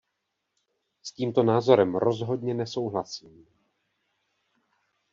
S tímto názorem rozhodně nesouhlasím.